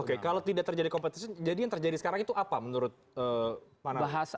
oke kalau tidak terjadi competition jadi yang terjadi sekarang itu apa menurut panah anda